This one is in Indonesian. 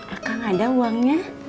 akang ada uangnya